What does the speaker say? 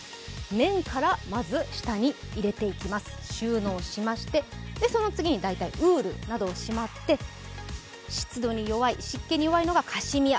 綿からまず下に収納していきまして、その次に大体ウールなどをしまって、湿度に弱い、湿気に弱いのがカシミヤ。